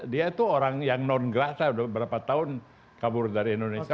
dia itu orang yang non gelata udah berapa tahun kabur dari indonesia